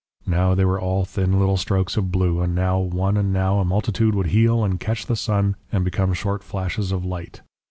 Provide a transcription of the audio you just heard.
Now they were all thin little strokes of blue, and now one and now a multitude would heel and catch the sun and become short flashes of light.